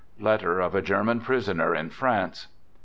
(Letter of a German Prisoner in France)